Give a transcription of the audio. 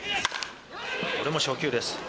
これも初球です。